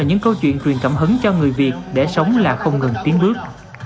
những câu chuyện truyền cảm hứng cho người việt để sống là không ngừng tiến bước